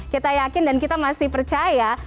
kita yakin dan kita masih percaya